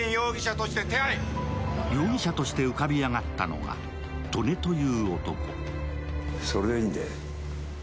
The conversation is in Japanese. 容疑者として浮かび上がったのは利根という男。